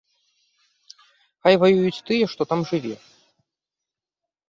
Хай ваююць тыя, што там жыве.